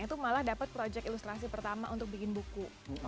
itu malah dapat proyek ilustrasi pertama untuk bikin buku